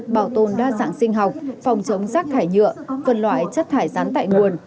bảo tồn đa dạng sinh học phòng chống rác thải nhựa phân loại chất thải rắn tại nguồn